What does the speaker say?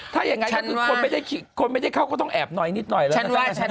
ถ้าอย่างไรชั้นคิดคนไม่ได้เข้าก็ต้องแอบนิดหน่อย